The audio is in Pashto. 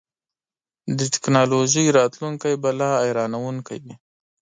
د ټیکنالوژۍ راتلونکی به لا حیرانوونکی وي.